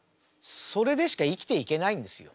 それでしか生きていけないんですよ。